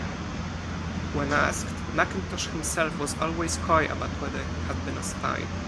When asked, Mackintosh himself was always coy about whether he had been a spy.